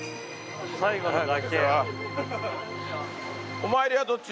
最後の崖。